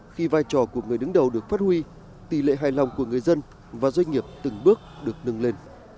khi vai trò của người đứng đầu được phát huy tỷ lệ hài lòng của người dân và doanh nghiệp từng bước được nâng lên